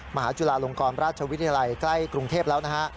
มหาจุฬาลงกรราชวิทยาลัยใกล้กรุงเทพแล้วนะฮะ